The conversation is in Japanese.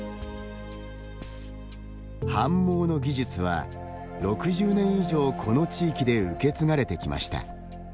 反毛の技術は６０年以上この地域で受け継がれてきました。